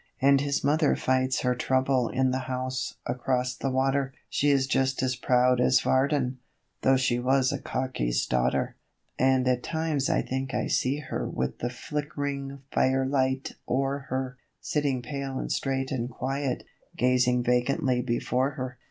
And his mother fights her trouble in the house across the water, She is just as proud as Varden, though she was a 'cocky's' daughter; And at times I think I see her with the flick'ring firelight o'er her, Sitting pale and straight and quiet, gazing vacantly before her.